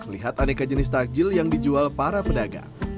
lihat aneka jenis takjil yang dijual para pedagang